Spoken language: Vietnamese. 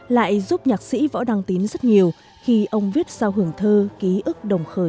lại giúp nhạc sĩ võ đăng tín rất nhiều khi ông viết sao hưởng thơ ký ức đồng khởi